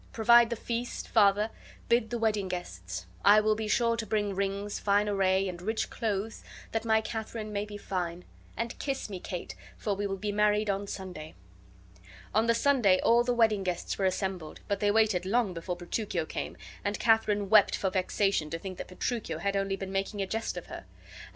Provide the feast, father, bid the wedding guests. I will be sure to bring rings, fine array, and rich clothes, that my Katharine may be fine. And kiss me, Kate, for we will be married on Sunday." On the Sunday all the wedding guests were assembled, but they waited long before Petruchio came, and Katharine wept for vexation to think that Petruchio had only been making a jest of her.